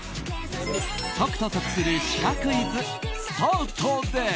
解くと得するシカクイズスタートです！